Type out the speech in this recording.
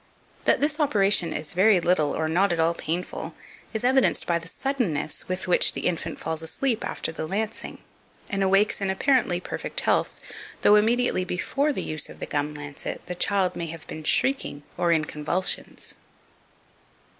That this operation is very little or not at all painful, is evidenced by the suddenness with which the infant falls asleep after the lancing, and awakes in apparently perfect health, though immediately before the use of the gum lancet, the child may have been shrieking or in convulsions.